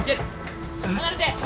離れて！